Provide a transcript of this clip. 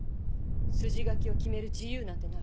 筋書きを決める自由なんてない。